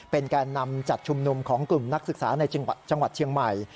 แก่นำจัดชุมนุมของกลุ่มนักศึกษาในจังหวัดเชียงใหม่